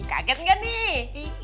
kaget gak nih